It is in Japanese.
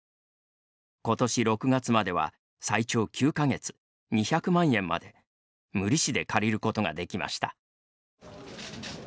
今年６月までは最長９か月２００万円まで無利子で借りることができました。